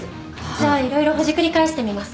じゃあ色々ほじくり返してみます。